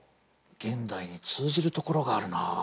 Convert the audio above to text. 現代に通じるところがあるなあ。